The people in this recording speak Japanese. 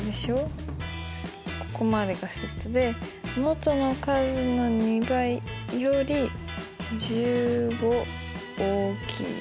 ここまでがセットで「もとの数の２倍より１５大きい」。